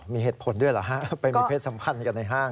มีเหตุผลด้วยเหรอฮะไปมีเพศสัมพันธ์กันในห้าง